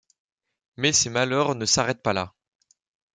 Mais ses malheurs ne s'arrêtent pas là.